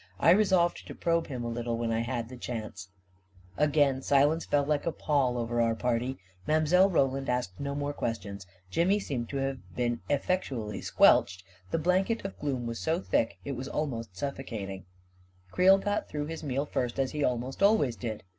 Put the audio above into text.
I resolved to probe him a little, when I had the chance ,224 A KING IN BABYLON Again' silence fell like a pall over our party. Mile. Roland asked no more questions; Jimmy seemed to have been effectually squelched. The blanket of gloom was so thick it was almost suffo cating I Creel got through his meal first, as he almost al ways did.